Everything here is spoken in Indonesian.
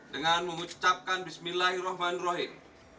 dengan mengucapkan bismillahirrahmanirrahim